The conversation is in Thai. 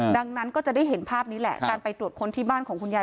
ดังนั้นก็จะได้เห็นภาพนี้แหละการไปตรวจค้นที่บ้านของคุณยาย